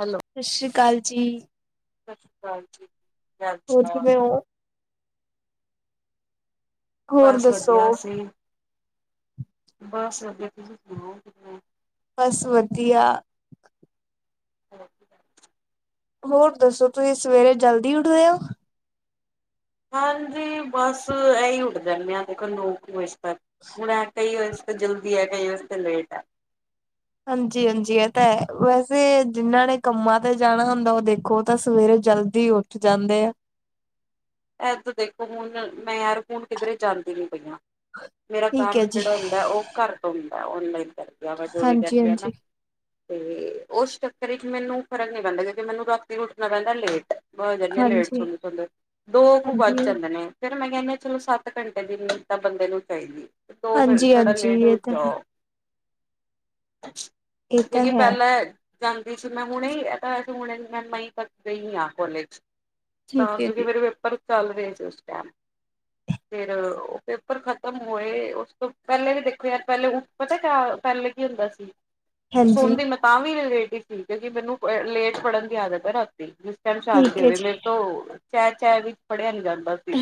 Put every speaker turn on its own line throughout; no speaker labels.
Hello.
ਸਸ਼ੀ੍ ਕਾਲ ਜੀ।
ਸ਼ਸ਼ੀਕਾਲ ਜੀ, ਕੀ
ਹੋਰ
ਹਾਲ-ਚਾਲ
ਕਿਵੇਂ ਹੋ? ਹੋਰ
ਬਸ
ਦੱਸੋ?
ਵਧੀਆ ਬੱਸ ਵਧੀਆ, ਤੁਸੀਂ ਸੁਣਾਓ ਕਿੱਦਾ?
ਬੱਸ ਵਧੀਆ।
ਹੋਰ ਕੀ
ਹੋਰ ਦੱਸੋ, ਤੁਸੀਂ ਸਵੇਰੇ ਜਲਦੀ ਉੱਠਦੇ ਓ?
ਹਾਂਜੀ, ਬੱਸ ਇਹੀ ਉੱਠਦੇ ਹੁਣੇ ਆ। ਦੇਖੋ ਨੋ ਕ ਵਜੇ ਤੱਕ, ਹੁਣ ਕਈ ਵਜੇ ਜਲਦੀ ਹੈ ਕਈ ਵਾਸਤੇ ਲੇਟ ਐ।
ਹਾਂਜੀ, ਹਾਂਜੀ ਇਹ ਤਾਂ ਐ ਵੈਸੇ ਜਿੰਨਾਂ ਨੇ ਕੰਮਾਂ ਤੇ ਜਾਣਾ ਹੁੰਦਾ ਉਹ ਦੇਖੋ ਤਾਂ ਸਵੇਰੇ ਜਲਦੀ ਉਠ ਉੱਠ ਜਾਂਦੇ ਆ।
ਇਧ ਦੇਖੋ ਹੁਨ ਮੈਂ ਯਾਰ ਹੁਣ ਕਿੱਧਰੇ ਜਾਂਦੀ ਨੀ ਪਈਆ, ਮੇਰਾ
ਠੀਕ
ਕੰਮ
ਹੈ ਜੀ,
ਜਿਹੜਾ ਹੁੰਦਾ ਉਹ ਘਰ ਤੋਂ ਹੁੰਦਾ ਔਨਲਾਈਨ ਕਰ ਜਾਂ ਮੈਂ ਕੋਈ ਕਰਦੀ ਆ ਨਾ
ਹਾਂਜੀ-ਹਾਂਜੀ,
ਤੇ ਉਸ ਚੱਕਰ ਵਿੱਚ ਮੈਨੂੰ ਫ਼ਰਕ ਨੀ ਪੈਂਦਾ ਕਿਉਂਕਿ ਮੈਨੂੰ ਰਾਤੀ ਉੱਠਣਾ ਪੈਂਦਾ ਲੇਟ ਬ ਜਾਂਦੀ ਲੇਟ
ਹਾਂਜੀ-ਹਾਂਜੀ।
ਸੁਣ ਸੁਦੇ ਦੋ ਕੁ ਵੱਜ ਜਾਂਦੇ ਨੇ। ਫੇਰ ਮੈਂ ਕਹਿੰਦੀ ਚਲੋ ਸੱਤ ਘੰਟੇ ਦੀ ਨੀਂਦ ਤਾਂ ਬੰਦੇ ਨੂੰ ਚਾਹੀਦੀ। ਦੋ ਥੋੜਾ
ਹਾਂਜੀ-ਹਾਂਜੀ
ਲੇਟ
ਇਹ
ਉੱਠ
ਤਾਂ ਹੈ,
ਜਾਓ। ' [inaudible]
ਇਹ
'
ਤਾਂ
ਕਿਉਂਕਿ
ਹੈ,
ਪਹਿਲਾਂ ਐ ਜਾਂਦੀ ਸੀ ਮੈਂ ਹੁਣੇ, ਇਹ ਤਾਂ ਅ ਹੁਣੇ ਮੈਂ ਮਈ ਤੱਕ ਗਈ ਹਾਂ ਕੋਲੇਜ। ਤਾਂ
ਠੀਕ ਹੈ
ਕਿਉਂਕਿ
ਜੀ।
ਮੇਰੇ ਪੇਪਰ ਚੱਲ ਰਹੇ ਸੀ ਉਸ ਟਾਇਮ। ਫੇਰ ਉਹ ਪੇਪਰ ਖ਼ਤਮ ਹੋਏ ਉਸ ਤੋਂ ਪਹਿਲੇ ਵੀ ਦੇਖੋ ਯਾਰ ਪਹਿਲੇ ਪਤਾ ਕਿਆ ਪਹਿਲੇ ਕੀ ਹੁੰਦਾ ਸੀ ਸੀ।
ਹਾਂਜੀ,
ਸੁਣ ਦੀ ਮੈਂ ਤਾਂਵੀ ਲੇਟ ਹੀ ਸੀ। ਕਿਉਂਕਿ ਮੈਨੂੰ ਲੇਟ ਪੜ੍ਹਨ ਦੀ ਆਦਤ ਐ ਰਾਤੀਂ ਸ਼ਾਂਤੀ
ਠੀਕ ਹੈ
ਹੋਵੇ
ਜੀ,
ਮੇਰੇ ਤੋਂ ਚੈ-ਚੈ ਵਿੱਚ ਪੜਿਆ ਨੀ ਜਾਂਦਾ ਸੀ।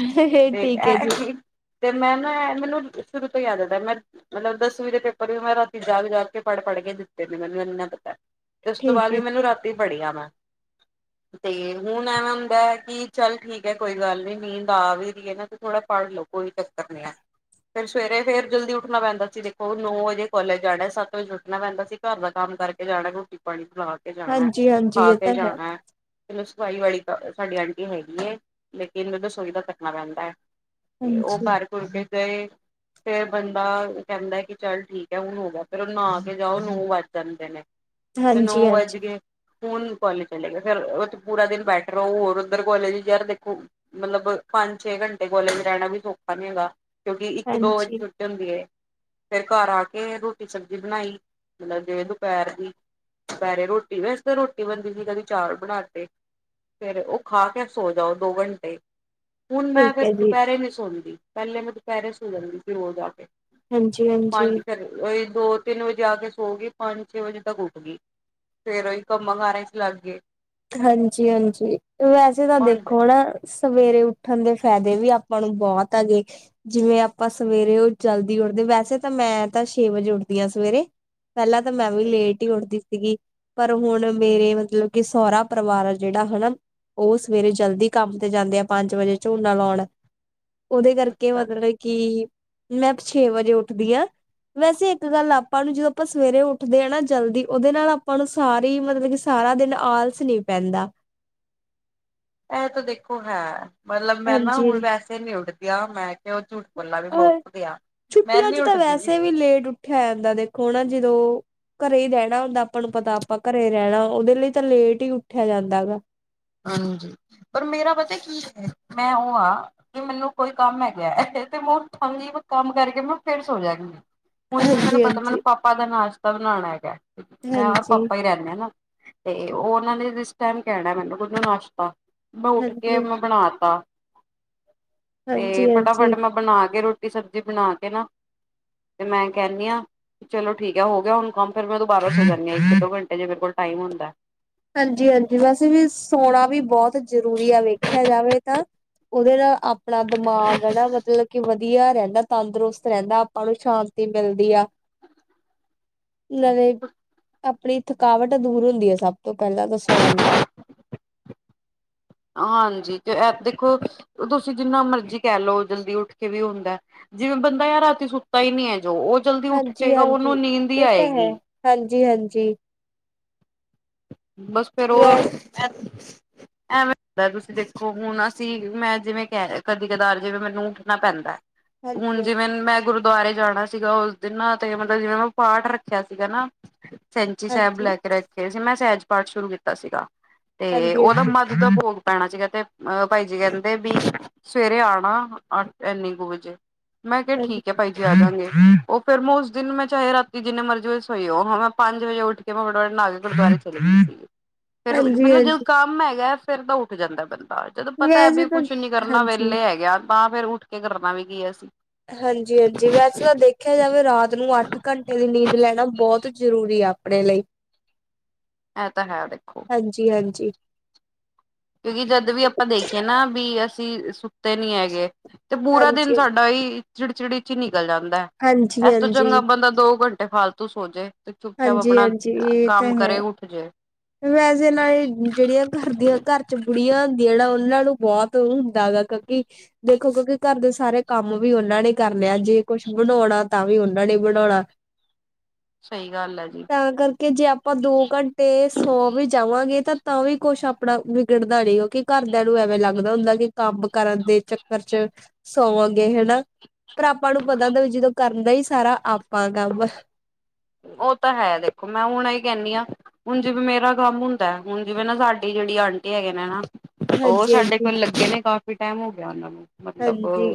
ਤੇ
ਠੀਕ ਹੈ ਜੀ,
ਇਹ ਤੇ ਮੈਂ ਨਾ ਇਹ ਮੈਨੂੰ ਸ਼ੁਰੂ ਤੋਂ ਆਦਤ ਮੈਂ ਮਤਲਬ ਦਸਵੀਂ ਦੇ ਪੇਪਰ ਵੀ ਮੈਂ ਰਾਤੀ ਜਾਗ-ਜਾਗ ਕੇ ਪੜ੍ਹ-ਪੜ੍ਹ ਕੇ ਦਿੱਤੇ ਨੇ ਮੈਨੂੰ ਇੰਨਾ ਪਤਾ। ਤੇ ਉਸ ਤੋਂ ਬਾਅਦ
ਠੀਕ ਹੈ।
ਵੀ ਮੈਨੂੰ ਰਾਤ ਪੜ੍ਹਿਆ ਮੈਂ ਤੇ ਹੁਣ ਐਵੇਂ ਹੁੰਦਾ ਐ। ਕਿ ਚਲ ਠੀਕ ਆ ਕੋਈ ਗੱਲ ਨੀ ਨੀਂਦ ਆ ਵੀ ਰਹੀ ਆ ਨਾ ਤੇ ਥੋੜਾ ਪੜ ਲੋ ਕੋਈ ਚੱਕਰ ਨੀ ਐ। ਫੇਰ ਸਵੇਰੇ ਫੇਰ ਜਲਦੀ ਉੱਠਣਾ ਪੈਂਦਾ ਸੀ। ਦੇਖੋ ਨੌ ਵਜੇ ਕੋਲਜ ਜਾਣਾ ਸੱਤ ਵਜੇ ਉੱਠਣਾ ਪੈਂਦਾ ਸੀ। ਘਰ ਦਾ ਕੰਮ ਕਰਕੇ ਜਾਣਾ ਰੋਟੀ ਪਾਣੀ ਬਣਾ ਕੇ ਜਾਣਾ।
ਹਾਂਜੀ-ਹਾਂਜੀ
ਖਾ
ਇਹ
ਕੇ
ਤਾਂ ਹੈ,
ਜਾਣਾ। ਚਲੋ ਸਫਾਈ ਵਾਲੀ ਤਾਂ ਸਾਡੀ ਆਂਟੀ ਹੈਗੀ ਐ। ਲੇਕਿਨ ਰਸੋਈ ਦਾ ਕਰਣਾ ਪੈਂਦਾ ਐ। ਉਹ
ਹਾਂਜੀ,
ਕਰ ਕੁਰ ਕੇ ਗਏ। ਫੇਰ ਬੰਦਾ ਕਹਿੰਦਾ ਕਿ ਚੱਲ ਠੀਕ ਐ ਹੁਣ ਹੋ ਗਿਆ। ਫਿਰ ਉਹ ਨਹਾਕੇ ਜਾਓ ਨੌ ਵੱਜ ਜਾਂਦੇ ਨੇ। ਤੇ ਨੌ ਵੱਜ
ਹਾਂਜੀ-ਹਾਂਜੀ,
ਗਏ। ਹੁਣ ਕੋਲਜ ਚਲੇ ਗਿਆ ਫਿਰ ਉੱਥੇ ਪੂਰਾ ਦਿਨ ਬੈਠ ਰਹੋ। ਹੋਰ ਉੱਧਰ ਕੋਲਜ ਯਾਰ ਦੇਖ ਮਤਲਬ ਪੰਜ- ਛੇ ਘੰਟੇ ਕੋਲੇਜ ਰਹਿਣਾ ਵੀ ਸੌਖਾ ਨੀ ਹੈਗਾ। ਕਿਉਂਕਿ ਇੱਕ- ਦੋ ਵਜੇ
ਹਾਂਜੀ ਹਾਂਜੀ
ਛੁ ਹੁੰਦੀ ਐ। ਫੇਰ ਘਰ ਆਕੇ ਰੋਟੀ ਸਬਜ਼ੀ ਬਣਾਈ ਮਤਲਬ ਜੇ ਦੁਪਹਿਰ ਦੀ। ਦੁਪਹਿਰੇ ਰੋਟੀ ਵੈਸ ਤਾਂ ਰੋਟੀ ਬਣਦੀ ਸੀ। ਕਦੀ ਚਾਵਲ ਬਣਾ ਤੇ। ਫੇਰ ਉਹ ਖਾ ਕੇ ਸੋ ਜਾਓ ਦੋ ਘੰਟੇ। ਹੁਣ ਮੈਂ
ਠੀਕ
ਫਿਰ
ਹੈ ਜੀ।
ਦੁਪਹਿਰੇ ਨੀ ਸੌਂਦੀ। ਪਹਿਲੇ ਮੈਂ ਦੁਪਹਿਰੇ ਸੌ ਜਾਂਦੀ ਸੀ ਰੋਜ਼ ਆ ਕੇ। ਹਾਂਜੀ
ਹਾਂਜੀ-ਹਾਂਜੀ।
ਘਰੇ। ਉਹੀ ਦੋ- ਤਿੰਨ ਵਜੇ ਆ ਕੇ ਸੋ ਗਈ। ਪੰਜ- ਛੇ ਵਜੇ ਤੱਕ ਉੱਠ ਗਈ। ਫੇਰ ਉਹੀ ਕੰਮਾਂ-ਕਾਰਾਂ 'ਚ ਲੱਗ ਗਏ।
ਹਾਂਜੀ-ਹਾਂਜੀ ਵੈਸੇ ਤਾਂ
ਹੁਣ
ਦੇਖੋ ਹਨਾ। ਸਵੇਰੇ ਉੱਠਣ ਦੇ ਫਾਇਦੇ ਵੀ ਆਪਾਂ ਨੂੰ ਬਹੁਤ ਆ ਗੇ। ਜਿਵੇਂ ਆਪਾਂ ਸਵੇਰੇ ਉਹ ਜਲਦੀ ਉੱਠਦੇ। ਵੈਸੇ ਤਾਂ ਮੈਂ ਤਾਂ ਛੇ ਵਜੇ ਉੱਠਦੀ ਹਾਂ ਸਵੇਰੇ। ਪਹਿਲਾਂ ਤਾਂ ਮੈਂ ਵੀ ਲੇਟ ਹੀ ਉੱਠਦੀ ਸੀਗੀ। ਪਰ ਹੁਣ ਮੇਰੇ ਮਤਲਬ ਕਿ ਸਹੁਰਾ ਪਰਿਵਾਰ ਜਿਹੜਾ ਹਨਾ। ਉਹ ਸਵੇਰੇ ਜਲਦੀ ਕੰਮ ਤੇ ਜਾਂਦੇ ਆ। ਪੰਜ ਵਜੇ ਝੋਨਾ ਲਾਉਣ। ਉਹਦੇ ਕਰਕੇ ਮਤਲਬ ਕਿ ਮੈਂ ਛੇ ਵਜੇ ਉੱਠਦੀ ਆ। ਵੈਸੇ ਇੱਕ ਗੱਲ ਆਪਾਂ ਨੂੰ ਜਦੋਂ ਆਪਾਂ ਸਵੇਰੇ ਉੱਠਦੇ ਹਾਂ ਨਾ ਜਲਦੀ। ਉਹਦੇ ਨਾਲ ਆਪਾਂ ਨੂੰ ਸਾਰੀ ਮਤਲਬ ਕਿ ਸਾਰਾ ਦਿਨ ਆਲਸ ਨੀ ਪੈਂਦਾ।
ਇਹ ਤੇ ਦੇਖੋ ਹੈਂ। ਮਤਲਬ ਮੈਂ ਨਾ
ਹਾਂਜੀ
ਹੁਣ ਵੈਸੇ ਨ ਉੱਠ ਗਿਆ ਮੈਂ ਕਿਹਾ ਉਹ ਝੂਠ ਬੱਲਾ ਵੀ ਮੈਂ
ਅ
ਉੱਠ ਗਿਆ। ਮੈਂ
ਛੁੱਟੀਆਂ
ਨੀ
ਚ ਤਾਂ
ਉੱਠਦੀ।
ਵੈਸੇ ਵੀ ਲੇਟ ਉ ਉਠਿਆ ਜਾਂਦਾ ਆ ਦੇਖੋ ਹਨਾ। ਜਦੋਂ ਘਰੇ ਹੀ ਰਹਿਣਾ ਹੁੰਦਾ ਆਪਾਂ ਨੂੰ ਪਤਾ ਆਪਾਂ ਘਰੇ ਰਹਿਣਾ। ਉਹਦੇ ਲਈ ਤਾਂ ਲੇਟ ਹੀ ਉੱਠਿਆ ਜਾਂਦਾ ਗਾ।
ਹਾਂਜੀ ਪਰ ਮੇਰਾ ਪਤਾ ਕੀ ਐ। ਮੈਂ ਉਹ ਆ ਮੈਨੂੰ ਕੋਈ ਕੰਮ ਹੈਗਾ। ਇੱਥੇ ਤੇ ਕੰਮ ਕਰਕੇ ਮੈ ਫੇਰ ਸੋ ਜਾਨੀ ਆ। ਹੁਣ ਮੈਨੂੰ
ਹਾਂਜੀ
ਪਤਾ ਮੈਨੂੰ
ਹਾਂਜੀ
ਪਾਪਾ ਦਾ ਨਾਸ਼ਤਾ ਬਣਾਂਣਾ ਹੈਗਾ। ਮੈਂ ਔਰ
ਹਾਂਜੀ
ਪਾਪਾ ਹੀ ਰਹਿਣੇ ਨਾ। ਤੇ ਉਹ ਉਹਨਾਂ ਨੇ ਜਿਸ ਟਾਈਮ ਕਹਿਣਾ ਮੈਨੂੰ ਗੂੱਗ ਨਾਸ਼ਤਾ। ਮੈਂ ਉੱਠ ਕੇ
ਹਾਂਜੀ
ਮੈਂ ਬਣਾ ਤਾਂ। ਤੇ
ਹਾਂਜੀ ਹਾਂਜੀ
ਫਟਾਫਟ ਮੈਂ ਬਣਾ ਕੇ ਰੋਟੀ ਸਬਜ਼ੀ ਬਣਾ ਕੇ ਨਾ। ਤੇ ਮੈਂ ਕਿਹਨੀ ਆ ਚਲੋ ਠੀਕ ਐ ਹੋ ਗਿਆ ਹੁਣ ਕੰਮ। ਫਿਰ ਮੈਂ ਦੁਬਾਰਾ ਸੌ ਜਾਂਣੀ ਆ ਇੱਕ- ਦੋ ਘੰਟੇ ਜੇ ਮੇਰੇ ਕੋਲ ਟਾਈਮ ਹੁੰਦਾ।
ਹਾਂਜੀ-ਹਾਂਜੀ ਵੈਸੇ ਵੀ ਸੋਣਾ ਵੀ ਬਹੁਤ ਜ਼ਰੂਰੀ ਆ ਵੇਖਿਆ ਜਾਵੇ ਤਾਂ। ਉਹਦੇ ਨਾਲ ਆਪਣਾ ਦਿਮਾਗ ਐ ਨਾ ਮਤਲਬ ਕਿ ਵਧੀਆ ਰਹਿੰਦਾ। ਤੰਦਰੁਸਤ ਰਹਿੰਦਾ ਆਪਾਂ ਨੂੰ ਸ਼ਾਂਤੀ ਮਿਲਦੀ ਆ। ਨਲੇ ਆਪਣੀ ਥਕਾਵਟ ਦੂਰ ਹੁੰਦੀ ਹੈ ਸਭ। ਇਹ ਪਹਿਲਾਂ ਤਾਂ ਸੌਣ ਦਾ
ਹਾਂਜੀ ਤੇ ਦੇਖੋ ਤੁਸੀਂ ਜਿੰਨਾ ਮਰਜ਼ੀ ਕਹਿ ਲਓ ਜਲਦੀ ਉੱਠ ਕੇ ਵੀ ਹੁੰਦਾ ਜਿਵੇਂ ਬੰਦਾ ਯਾਰ ਰਾਤੀ ਸੁੱਤਾ ਹੀ ਨੀ ਹੈ, ਜੋ ਉਹ ਜਲਦੀ ਉੱਠ ਜਾਏਗਾ, ਉਹਨੂੰ
ਹਾਂਜੀ-ਹਾਂਜੀ
ਨੀਂਦ ਹੀ
ਇਹ ਤਾਂ ਹੈ
ਆਏਗੀ।
ਹਾਂਜੀ-ਹਾਂਜੀ।
ਬਸ ਫੇਰ ਉਹ
ਵੈਸ
ਐਥੀ ਐਵੇਂ ਲੱਗਦਾ ਤੁਸੀਂ ਦੇਖੋ ਹੁਣ ਅਸੀਂ ਮੈਂ ਜਿਵੇਂ ਕਹਿ ਕਦੀ ਕਦਾਰ ਜਿਵੇਂ ਮੈਨੂੰ ਉੱਠਣਾ ਪੈਂਦਾ ਹੁਣ
ਹਾਂਜੀ
ਜਿਵੇਂ ਮੈਂ ਗੁ ਗੁਰਦੁਆਰੇ ਜਾਣਾ ਸੀਗਾ ਉਸ ਦਿਨ ਤੇ ਮਤਲਬ ਜਿਵੇਂ, ਮੈਂ ਪਾਠ ਰੱਖਿਆ ਸੀਗਾ ਨਾ ਸੈਂਚੀ ਸਾਹਿਬ
ਹਾਂਜੀ
ਲੈ ਕੇ ਰੱਖੇ ਸੀ ਸਹਿਜ ਸ਼ੁਰੂ ਕੀਤਾ ਸੀਗਾ ਤੇ ਉਹਦਾ ਮ
ਹਾਂਜੀ-ਹਾਂਜੀ
ਉਹਦਾ ਭੋਗ ਪੈਣਾ ਸੀਗਾ ਤੇ ਭਾਈ ਜੀ ਕਹਿੰਦੇ ਵੀ ਸਵੇਰੇ ਆਉਣਾ ਐਨੇ ਕੁ ਵਜੇ ਮੈਂ ਕਿਹਾ
ਹਾਂਜੀ
ਠੀਕ ਹੈ ਭਾਈ ਉਹ ਫੇਰ ਮੈਂ ਉਸ ਦਿਨ ਮੈਂ ਚਾਹੇ ਰਾਤੀ ਜਿੰਨੇ ਮਰਜ਼ੀ ਸ ਹੋਈ ਹੋ ਹਾਂ ਮੈਂ ਪੰਜ ਵਜੇ ਉੱਠ ਕੇ ਮੈਂ ਫਟਾਫਟ ਨਹਾ ਕੇ ਗੁਰਦੁਆਰੇ ਚਲੇ ਗਈ ਸੀਗੇ। ਫਿਰ ਮਤਲਬ ਜਦ
ਹਾਂਜੀ-ਹਾਂਜੀ
ਕੰਮ ਹੈਗਾ ਫੇਰ ਤਾਂ ਉੱਠ ਜਾਂਦਾ ਬੰਦਾ ਜਦੋਂ ਪਤਾ ਹੈ
ਵੈਸੇ
ਵੀ
ਤਾਂ
ਕੁੱਛ ਨੀ ਕਰਨਾ
ਹਾਂਜੀ
ਵਿਹਲੇ ਹੈਗੇ ਆ ਤਾਂ ਫੇਰ ਉੱਠ ਕੇ ਕਰਨਾ ਵੀ ਕੀ ਐ ਅਸੀ
ਹਾਂਜੀ-ਹਾਂਜੀ ਵੈਸੇ ਤਾਂ ਦੇਖ ਦੇਖਿਆ ਜਾਵੇ ਰਾਤ ਨੂੰ ਅੱਠ ਘੰਟੇ ਦੀ ਨੀਂਦ ਲੈਣਾ ਬਹੁਤ ਜ਼ਰੂਰੀ ਹੈ ਆਪਣੇ ਲਈ
ਇਹ ਤਾਂ ਹੈ, ਦੇਖੋ?
ਹਾਂਜੀ-ਹਾਂਜੀ।
ਕਿਉਂਕਿ ਜਦ ਵੀ ਆਪਾਂ ਦੇਖੀਏ ਨਾ ਵੀ ਅਸੀਂ ਸੁੱਤੇ ਨੀ ਹੈਗੇ ਤੇ ਪੂਰਾ ਦਿਨ
ਹਾਂਜੀ
ਸਾਡਾ ਹੀ ਚਿੜਚਿੜੀ ਚ ਹੀ ਨਿਕਲ ਜਾਂਦਾ।
ਹਾਂਜੀ
ਇਸ ਤੋਂ
ਹਾਂਜੀ
ਚੰਗਾ ਬੰਦਾ ਦੋ ਘੰਟੇ ਫਾਲਤੂ ਸੋਜੇ ਤੇ ਚੁੱਪਚਾਪ ਆਪਣਾ
ਹਾਂਜੀ-ਹਾਂਜੀ ਇਹ ਤਾਂ
ਕੰਮ
ਹੈ
ਕਰੇ ਉੱਠ ਜੇ
ਵੈਸੇ ਨਾਲ ਜਿਹੜੀਆਂ ਘਰ ਦੀਆਂ ਘਰ 'ਚ 'ਬੁੜੀਆਂ ਹੁੰਦੀਆਂ ਨਾ ਉਹਨਾਂ ਨੂੰ ਬਹੁਤ ਤੋਂ ਹੁੰਦਾ ਹੈ ਗਾ ਕਿਉਂਕਿ ਦੇਖੋ ਕਿਉਂਕਿ ਘਰ ਦੇ ਸਾਰੇ ਕੰਮ ਵੀ ਉਹਨਾਂ ਨੇ ਕਰ ਨੇ ਆ ਜੇ ਕੁਛ ਬਣਾਉਣਾ ਤਾਂ ਵੀ ਉਹਨਾਂ ਨੇ ਬਣਾਉਣਾ
ਸਹੀ ਗੱਲ ਹੈ ਜੀ।
ਤਾਂ ਕਰਕੇ ਜੇ ਆਪਾਂ ਦੋ ਘੰਟੇ ਤੇ ਸੌ ਵੀ ਜਾਵਾਂਗੇ ਤਾਂ-ਤਾਂ ਵੀ ਕੁਛ ਆਪਣਾ ਵਿਗੜਦਾ ਨੀ ਕਿਉਕਿ ਘਰਦਿਆਂ ਨੂੰ ਐਵੇਂ ਲੱਗਦਾ ਹੁੰਦਾ ਕਿ ਕੰਮ ਕਰਨ ਦੇ ਚੱਕਰ ਚ ਸੋਵਾਂਗੇ ਹਨਾ, ਪਰ ਆਪਾਂ ਨੂੰ ਹੁੰਦਾ ਵੀ ਜਦੋਂ ਕਰਨਾ ਦਾ ਹੀ ਸਾਰਾ ਕੰਮ ਆ।
ਉਹ ਤਾਂ ਹੈ ਦੇਖੋ ਮੈਂ ਹੁਣ ਅਹੀ ਕਹਿੰਣੀ ਆ। ਹੁਣ ਜਿਵੇ ਮੇਰਾ ਕੰਮ ਹੁੰਦਾ। ਹੁਣ ਜਿਵੇਂ ਨਾ ਸਾਡੀ ਜਿਹੜੀ ਆਂਟੀ ਹੈਗੇ ਨੇ ਨਾ ਉਹ
ਹਾਂਜੀ
ਸਾਡੇ
ਹਾਂਜੀ
ਕੋਲ ਲੱਗੇ ਨੇ ਕਾਫੀ ਟਾਈਮ ਹੋ ਗਿਆ ਉਹਨਾਂ ਨੂੰ ਮਤਲਬ
ਹਾਂਜੀ,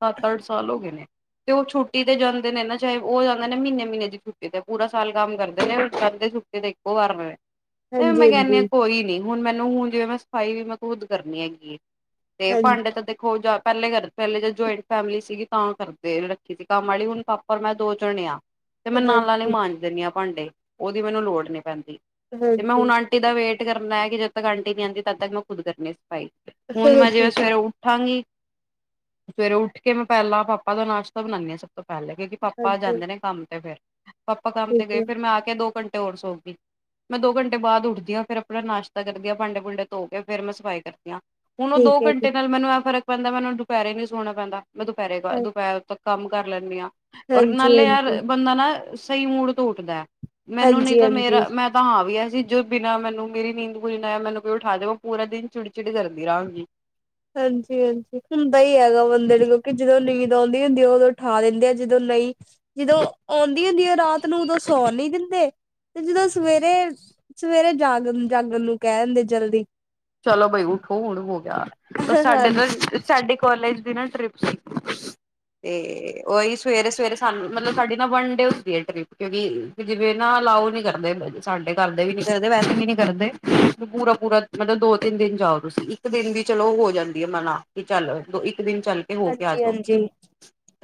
ਸੱਤ, ਅੱਠ ਸਾਲ ਹੋ ਗਏ ਨੇ, ਤੇ ਉਹ ਛੁੱਟੀ ਤੇ ਜਾਂਦੇ ਨੇ ਨਾ ਚਾਹੇ ਉਹ ਜਾਂਦੇ ਨੇ ਮਹੀਨੇ- ਮਹੀਨੇ ਦੀ ਛੁੱਟੀ ਤੇ ਪੂਰਾ ਸਾਲ ਕੰਮ ਕਰਦੇ ਨੇ ਉੱਠਣ ਤੇ ਛੁੱਟੀ ਤੇ ਇੱਕੋ ਵਾਰ ਤੇ
ਹਾਂਜੀ,
ਮੈਂ ਕਹਿੰਦੀ ਹਾ ਕੋਈ ਨੀ ਹੁਣ ਮੈਨੂੰ ਹੁਣ ਜਿਵੇਂ ਮੈਂ ਸਫ਼ਾਈ ਵੀ ਮੈਂ ਖੁੱਦ ਕਰਨੀ ਹੈਗੀ ਹੈ ਤੇ
ਹਾਂਜੀ,
ਭਾਂਡੇ ਤਾਂ ਦੇਖੋ ਜਾ ਪਹਿਲੇ ਕਰਦੇ ਪਹਿਲੇ ਜਦ ਜੁਆਇੰਟ ਫੈਮਿਲੀ ਸੀਗੀ ਤਾਂ ਕਰਦੇ ਰੱਖੀ ਸੀ ਕੰਮ ਵਾਲੀ ਹੁਣ ਪਾਪਾ ਤੇ ਮੈਂ ਦੋ ਜਣੇ ਆ ਤੇ ਮੈਂ ਨਾਲ ਆਲੇ
ਹਾਂਜੀ,
ਮਾਂਜ ਦਿੰਦੀ ਹਾਂ ਭਾਂਡੇ ਉਹਦੀ ਮੈਨੂੰ ਲੋੜ ਨੀ ਪੈਂਦੀ ਤੇ ਮੈਂ ਹੁਣ
ਹਾਂਜੀ,
ਆਂਟੀ ਆਂਟੀ ਦਾ ਵੇਟ ਕਰਨਾ ਹੈ ਕਿ ਜਦ ਤੱਕ ਆਂਟੀ ਨੀ ਆਂਦੀ ਤਦ ਤੱਕ ਮੈਂ ਖੁਦ ਕਰਨੀ ਸਫਾਈ ਹੁਣ ਮੈਂ
ਹਾਂਜੀ,
ਜਿਵੇਂ
ਠੀਕ ਹੈ,
ਸਵੇਰੇ ਉੱਠਾਂਗੀ ਸਵੇਰੇ ਉੱਠ ਕੇ ਮੈਂ ਪਹਿਲਾਂ ਪਾਪਾ ਦਾ ਨਾਸ਼ਤਾ ਬਣਾਉਦੀ ਹਾਂ। ਸਭ ਤੋਂ ਪਹਿਲਾਂ ਕਿਉਂਕਿ ਪਾਪਾ
ਹਾਂਜੀ,
ਜਾਂਦੇ ਨੇ ਕੰਮ ਤੇ ਫ਼ਿਰ, ਪਾਪਾ ਕੰਮ ਤੇ
ਠੀਕ
ਗਏ
ਹੈ,
ਫ਼ਿਰ ਮੈਂ ਆ ਕੇ ਦੋ ਘੰਟੇ ਹੋਰ ਸੋ ਗਈ। ਮੈਂ ਦੋ ਘੰਟੇ ਬਾਅਦ ਉੱਠਦੀ ਹਾ ਫਿਰ ਆਪਣਾ ਨਾਸ਼ਤਾ ਕਰਦੀ ਭਾਂਡੇ-ਭੂੰਡੇ ਧੋ ਕੇ ਫ਼ਿਰ ਮੈਂ ਸਫ਼ਾਈ ਕਰਦੀ ਆ। ਹੁਣ ਉਹ ਦੋ
ਠੀਕ ਹੈ ਜੀ,
ਘੰਟੇ ਨਾਲੈ ਮੈਨੂੰ ਆਏ ਫਰਕ ਪੈਂਦਾ ਮੈਂ ਦੁਪਹਿਰੇ ਨਹੀਂ ਸੋਣਾ ਪੈਦਾ ਮੈਂ
ਹਾਂ
ਦੁਪਹਿਰੇ-ਦੁਪਹਿਰ ਕੰਮ ਕਰ ਲੈਂਦੀ ਹਾਂ ਔਰ
ਹਾਂਜੀ,
ਨਾਲੇ ਯਾਰ
ਹਾਂਜੀ।
ਬੰਦਾ ਨਾ ਸਹੀ ਮੂੜ ਤੋਂ ਉੱਠਦਾ ਮੈਨੂੰ ਨੀ
ਹਾਂਜੀ,
ਤਾਂ
ਹਾਂਜੀ,
ਮੇਰਾ ਮੈਂ ਤਾਂ ਹਾਂ ਵੀ ਅਸੀਂ ਜੋ ਬਿਨਾਂ ਮੈਨੂੰ ਮੇਰੀ ਨੀਂਦ ਪੂਰੀ ਨਾ ਮੈਨੂੰ ਕੋਈ ਉਠਾ ਦੇ ਉਹ ਪੂਰਾ ਦਿਨ ਚਿੜੀ-ਚਿੜੀ ਕਰਦੀ ਰਹਾਂਗੀ।
ਹਾਂਜੀ-ਹਾਂਜੀ ਹੁੰਦਾ ਹੀ ਐਗਾ ਬੰਦੇ ਨੂੰ ਕਿਉਂਕਿ ਜਦੋਂ ਨੀਂਦ ਆਉਂਦੀ ਹੁੰਦੀ ਉਦੋਂ ਉਠਾ ਦਿੰਦੇ ਜਦੋਂ ਨਹੀਂ ਜਦੋਂ ਆਉਂਦੀ ਹੁੰਦੀ ਰਾਤ ਨੂੰ ਉਦੋਂ ਸੌਣ ਨੀ ਦਿੰਦੇ ਤੇ ਜਦੋਂ ਸਵੇਰੇ ਸਵੇਰੇ ਜਾਗ ਜਾਗਣ ਨੂੰ ਕਹਿ ਦਿੰਦੇ ਜਲਦੀ
ਚਲੋ ਬਈ ਉੱਠੋ ਹੁਣ ਹੋ ਗਿਆ, ਸਾਡੇ ਤਾਂ
ਹਾਂਜੀ,
ਸਾਡੇ ਕਾਲਜ ਦੀ ਨਾ ਟ੍ਰਿਪ ਸੀ ਅਤੇ ਉਹੀ-ਉਹੀ ਸਵੇਰੇ-ਸਵੇਰੇ ਸਾਨੂੰ ਮਤਲਬ ਸਾਡੀ ਨਾ ਵਨ ਡੇ ਹੁੰਦੀ ਹੈ। ਟਰਿਪ ਵੀ ਕਿਉਂਕਿ ਜਿਵੇਂ ਨਾ ਅਲਾਓ ਨੀ ਕਰਦੇ ਸਾਡੇ ਘਰਦੇ ਵੀ ਨੀ ਕਰਦੇ ਵੈਸੇ ਵੀ ਨੀ ਕਰਦੇ ਪੂਰਾ-ਪੂਰਾ ਮਤਲਬ ਦੋ, ਤਿੰਨ ਦਿਨ ਜਾਓ ਤੁਸੀਂ ਇੱਕ ਦਿਨ ਵੀ ਚਲੋ ਹੋ ਜਾਂਦੀ ਆ ਮਨਾ ਕੀ ਚੱਲ ਦੋ ਇੱਕ ਦਿਨ ਚੱਲ ਹੋ ਕੇ ਆ
ਹਾਂਜੀ,
ਜਾਓ,
ਹਾਂਜੀ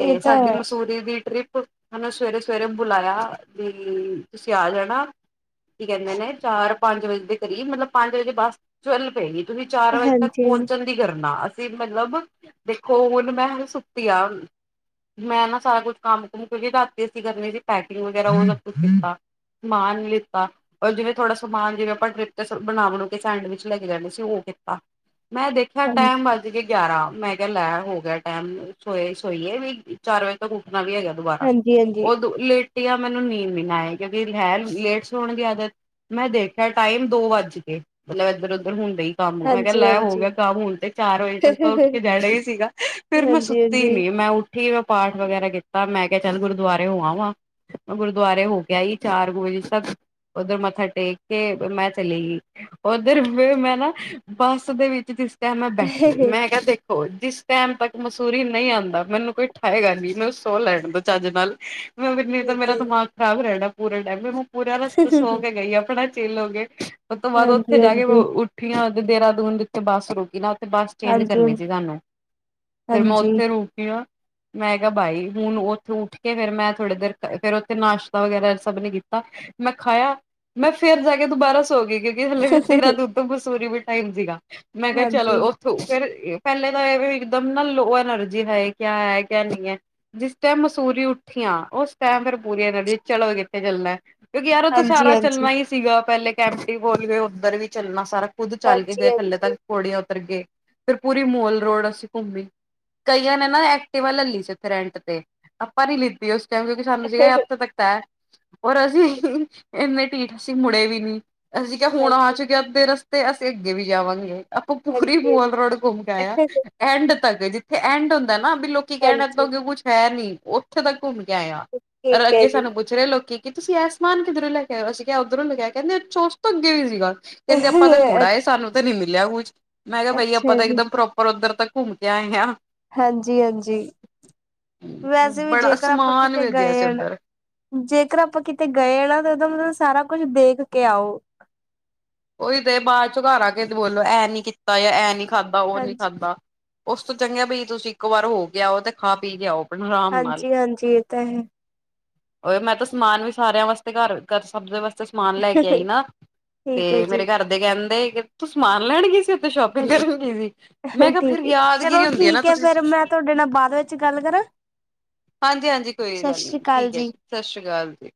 ਇਹ ਤਾਂ
ਸਾਡੀ
ਹੈ
ਮਸੂਰੀ ਦੀ ਟ੍ਰਿਪ ਹਨੂੰ ਸਵੇਰੇ-ਸਵੇਰੇ ਬੁਲਾਇਆ ਵੀ ਤੁਸੀਂ ਆ ਜਾਣਾ ਕੀ ਕਹਿੰਦੇ ਨੇ ਚਾਰ, ਪੰਜ ਵਜੇ ਦੇ ਕਰੀਬ ਮਤਲਬ ਪੰਜ ਵਜੇ ਬੱਸ ਚੱਲ ਪਏਗੀ ਤੁਸੀਂ ਚਾਰ ਵਜੇ ਤੱਕ
ਹਾਂਜੀ,
ਪਹੁੰਚਣ ਕੀ ਕਰਨਾ, ਅਸੀਂ ਮਤਲਬ, ਦੇਖੋ ਹੁਣ ਮੈਂ ਸੁੱਤੀਆਂ ਮੈਂ ਨਾ ਸਾਰਾ ਕੁਛ ਕੰਮ-ਕੁੰਮ ਕਿਉਂਕਿ ਰਾਤੀ ਅਸੀਂ ਕਰਨੀ ਸੀ ਪੈਕਿੰਗ ਵਗੈਰਾ ਉਹ ਸਭ ਕੁਛ ਕੀਤਾ ਸਮਾਨ ਲਿੱਤਾ ਰ ਜਿਵੇਂ ਥੋੜਾ ਸਮਾਨ ਜਿਵੇਂ ਆਪਾਂ ਟਰੀਪ ਬਣਾ ਬਣੂਕੇ ਸੈਂਡਵਿਚ ਲੈ ਕੇ ਜਾਂਦੇ ਸੀ ' [unintelligible] ' ਉਹ ਮੈਂ ਦੇਖਿਆ
ਹਾਂਜੀ,
ਟਾਈਮ ਵ ਗੇ ਗਿਆਰਾਂ, ਮੈਂ ਕਿਹਾ ਲੈ ਹੋ ਗਿਆ ਟਾਈਮ, ਸੋਏ ਸੋਈਏ ਵੀ ਚਾਰ ਵਜੇ ਤੱਕ ਉੱਠਣਾ ਵੀ ਹੈਗਾ ਦੁਬਾਰਾ,
ਹਾਂਜੀ,
ਉਹਦ ਲੇਟ ਆ ਮੈਨੂੰ ਨੀਂਦ ਵੀ ਨਾ ਆਏ ਕਿਉਂਕਿ ਹੈ ਲੇਟਸ ਹੋਣ ਦੀ ਆਦਤ ਮੈਂ ਦੇਖਿਆ ਟਾਈਮ ਦੋ ਵੱਜ ਗੇ, ਮਤਲਬ ਇੱਧਰ-ਉੱਧਰ ਹੁੰਦੇ ਈ ਕੰਮ ਮੈਂ ਕਿਹਾ
ਹਾਂਜੀ,
ਲੈ ਹੋ
ਹਾਂਜੀ,
ਗਿਆ। ਕੰਮ ਹੁਣ ਤੇ ਚਾਰ ਵਜੇ ਤ ਉੱਠ
ਹਾਂਜੀ।
ਕੇ ਜਾਣਾ ਹੀ ਸੀਗਾ ਫੇਰ ਮੈਂ
ਹਾਂਜੀ
ਸੁੱਤੀ
ਹਾਂਜੀ
ਨੀ ਮੈਂ ਉਠ ਠੀ ਮੈਂ ਪਾਠ ਵਗੈਰਾ ਕੀਤਾ, ਮੈਂ ਕਿਹਾ ਚੱਲ ਗੁਰਦੁਆਰੇ ਹੋਵ ਆਵਾ। ਗੁਰਦੁਆਰੇ ਹੋ ਕੇ ਆਈ ਚਾਰ ਕ' ' [unintelligible] ਉੱਧਰ ਮੱਥਾ ਟੇਕ ਕੇ, ਮੈਂ ਚਲੀ ਗਈ। ਉੱਧਰ ਫੇਰ ਮੈਂ ਨਾ ਬੱਸ ਦੇ ਵਿੱਚ ਜਿਸ ਟਾਈਮ ਮੈਂ ਬੈਠੀ
ਠੀਕ ਹੈ
ਮੈਂ ਕ ਦੇਖ ਹੋ ਜਿਸ ਟਾਈਮ ਤੱਕ ਮਸੂਰੀ ਨਹੀਂ ਆਂਦਾ ਮੈਨੂੰ ਕੋਈ ਠਾਏਗਾ ਨਹੀਂ, ਮੈਨੂੰ ਸੋ ਲੈਣ ਦ ਚੱਜ ਨਾਲ ' [unintelligible] ' ਮੇਰਾ
ਜੀ
ਦਿਮਾਗ ਖ਼ਰਾਬ ਰਹਿਣਾ ਪੂਰਾ ਟਾਈਮ ਵੀ ਮੈਂ ਪੂਰਾ ਰਸਤੇ ਸੋ
ਹਾਂਜੀ
ਕੇ ਗਈ ਆ ਆਪਣਾ ਚੇਲ ਹੋ ਗਏ, ਉਹ ਤੋਂ ਬਾਅਦ ਉੱਥੇ ਜਾ ਕੇ
ਹਾਂਜੀ
ਉੱਠੀਆਂ ਦੇਹਰਾਦੂਨ ਉਥੇ ਬੱਸ ਰੁਕੀ ਨਾ 'ਤੇ ਬੱਸ ਚੇਂਜ
ਹਾਂਜੀ
ਕਰਨੀ ਸੀ ਸਾਨੂੰ, ਫਿਰ ਮੈਂ
ਹਾਂਜੀ
ਉੱਥੇ ਰੁਕੀ ਆਂ ਮੈਂ ਕਿਹਾ ਬਾਈ ਹੁਣ ਉੱਥੇ ਉੱਠ ਕੇ ਫਿਰ ਮੈਂ ਥੋੜੀ ਦੇਰ ਫਿਰ ਉੱਥੇ ਨਾਸ਼ਤਾ ਵਗੈਰਾ ਸਭ ਨੇ ਕੀਤਾ ਮੈਂ ਖਾਇਆ, ਮੈਂ ਫੇਰ ਜਾ ਕੇ ਦੁਬਾਰਾ ਸੌ ਗੀ ਕਿਉਂਕਿ ਹਲੇੇ
ਹਾਂਜੀ
ਉਧਮ ਮਸੂਰੀ ਵੀ ਟਾਈਮ ਸੀਗਾ, ਮੈਂ ਕਿਹਾ
ਹਾਂਜੀ
ਚਲੋ ਫਿਰ ਪਹਿਲੇ ਤਾਂ ਇਹ ਵੀ ਇਕਦਮ ਨਾ ਲੋਅ ਐਨਰਜੀ ਹੈ, ਕਿਆ ਹੈ ਕਿਆ ਨਹੀਂ ਹੈ ਜਿਸ ਟਾਈਮ ਮਸੂਰੀ ਉੱਠੀਆਂ ਉਸ ਟਾਈਮ ਫਿਰ ਐਨਰਜੀ ਚਲੋ ਕਿੱਥੇ ਚੱਲਣਾ ਕਿਉਂਕਿ ਯਾਰ ਉਥੇ
ਹਾਂਜੀ
ਸਾਰਾ ਚੱਲਣਾ ਹੀ ਸੀਗਾ ਪਹਿਲੇ ਕੈਂਪਟੀ ਬੋਲ ਗਏ ਉੱਧਰ ਵੀ ਚੱਲਣਾ ਸਾਰਾ ਖੁੱਦ ਚੱਲ ਕੇ
ਹਾਂਜੀ ਹਾਂਜੀ
ਗਏ, ਥੱਲੇ ਤੱਕ ਥੋੜੀਆਂ ਉੱਤਰ ਗਏ ਫਿਰ ਪੂਰੀ ਮੋਲ ਰੋਡ ਅਸੀਂ ਘੁੰਮੀ ਕਈਆਂ ਨੇ ਨਾ ਐਕਟਿਵਾ ਲੈ ਲੀ ਸੀ ਉੱਥੇ ਰੈਂਟ ਤੇ, ਆਪਾਂ ਨੀ ਲਿੱਤੀ ਉਸ ਟਾਈਮ ਕਿਉਂਕਿ ਸਾਨੂੰ ਸੀਗਾ ਹਫ਼ਤਾ ਤੱਕ ਤਾਂ ਐ ' [inaudible] ' ਔਰ ਅਸੀਂ ਇੰਨੇ ਢੀਠ ਅਸੀਂ ਮੁੜੇ ਵੀ ਨੀ ਅਸੀਂ ਕਿਹਾ
ਹਾਂਜੀ
ਹੁਣ ਆ
ਹਾਂਜੀ
ਚੁੱਕਿਆ ਅੱਧੇ ਰਸਤੇ ਅਸੀਂ ਅੱਗੇ ਵੀ ਜਾਵਾਂਗੇ ਆਪਾਂ ਪੂਰੀ ਮੂਲ ਰੋਡ ਘੁੰਮ ਕੇ ਆ ਐਂਡ ਤੱਕ ਜਿੱਥੇ ਐਂਡ ਹੁੰਦਾ ਨਾ ਵੀ ਲੋਕ ਕੀ ਕਹਿਣ ਤੋਂ
ਹਾਂਜੀ
ਅੱਗੇ ਕੁਛ ਹੈ ਨੀ, ਉੱਥੇ ਤੱਕ ਘੁੰਮ ਕੇ ਆਇਆ
ਹਾਂਜੀ
ਪਰ
ਠੀਕ ਹੈ
ਅੱਗੇ
ਜੀ
ਸਾਨੂੰ ਪੁੱ ਰਹੇ ਲੋਕੀ ਕਿ ਤੁਸੀਂ ਐ ਸਮਾਨ ਕਿੱਧਰ ਲੈ ਕੇ ਅਸੀਂ ਕਿਹਾ ਉੱਧਰੋਂ ਲੈ ਕਹਿੰਦੇ ਚੋਸ ਤੋਂ ਅੱਗੇ ਸੀਗਾ ਕਹਿੰਦੇ ਆਪਾਂ ਤਾਂ ਮੁੜ ਆਏ ਸਾਨੂੰ ਤਾਂ ਨਹੀਂ ਮਿਲਿਆ ਕੁਛ, ਮੈਂ ਕਿਹਾ ਬਾਈ
ਅੱਛਾ
ਆਪਾਂ ਤਾਂ
ਜੀ
ਇੱਕਦਮ ਪ੍ਰੋਪਰ ਉੱਧਰ ਤੱਕ ਘੁੰਮ ਕੇ ਆਏ ਆ।
ਹਾਂਜੀ-ਹਾਂਜੀ ' [inaudible] ' ਵੈਸੇ ਵੀ
ਬੜਾ
ਜੇਕਰ ਆਪਾਂ
ਸਮਾਨ
ਕਿਤੇ
ਵੇਦਿਆ ਸੀ
ਗਏ ਹ
ਉੱਧਰ
ਜੇਕਰ ਆਪਾਂ ਕਿਤੇ ਗਏ ਨਾ ਤਾਂ ਉਹਦਾ ਮਤਲਬ ਸਾਰਾ ਕੁਛ ਦੇਖ ਕੇ ਆਓ।
ਉਹੀ 'ਤੇ ਬਾਅਦ ਚੋਂ ਘਰ ਆ ਕੇ ਬੋਲੋ ਇਹ ਨੀ ਕੀਤਾ ਜਾਂ ਇਹ ਨੀ ਖਾਧਾ ਉਹ ਨੀ
ਹਾਂਜੀ
ਖਾਧਾ ਉਸ ਤੋਂ ਚੰਗਾ ਬਈ ਤੁਸੀਂ ਇੱਕ ਵਾਰ ਹੋ ਕੇ ਆਓ 'ਤੇ ਖਾ ਪੀ ਕੇ ਆਉ ਆਰਾਮ ਨਾਲ
ਹਾਂਜੀ ਹਾਂਜੀ ਇਹ ਤਾਂ ਹੈ
[inaudible] ਉਹ ਮੈਂ ਤਾਂ ਸਮਾਨ ਵੀ ਸਾਰਿਆਂ ਵਾਸਤੇ ਘਰ-ਘਰ ਸਭ ਦੇ ਵਾਸਤੇ ਸਮਾਨ ਲੈ ਕੇ ਆਈ
ਠੀਕ
ਨਾ 'ਤੇ
ਹੈ
ਮੇਰੇ
ਜੀ
ਘਰ ਦੇ ਕਹਿੰਦੇ ਤੂੰ ਸਮਾਨ ਲੈਣ ਗਈ ਸੀ ਤੂੰ
ਹਾਂਜੀ
ਸ਼ੋਪਿੰਗ ਕਰਨ ਗਈ ਸੀ, ਮੈਂ ਕਿਹਾ ਫਿਰ
ਠੀਕ ਹੈ ਚਲੋ
ਯਾਦਗਿਰੀ ਹੁੰਦੀ ਆ ਨਾ
ਠੀਕ ਹੈ
ਤੁਸੀਂ
ਫੇਰ ਮੈਂ ਤੁਹਾਡੇ ਨਾਲ ਬਾਅਦ ਵਿੱਚ ਗੱਲ ਕਰਾਂ।
ਹਾਂਜੀ-ਹਾਂਜੀ ਕੋਈ
ਸਤਿ
ਗੱਲ
ਸ੍ਰੀ
ਨਹੀਂ
ਅਕਾਲ
ਠੀਕ ਹੈ ਜੀ, ਸਸ਼੍ਰੀ ਕਾਲ ਜੀ।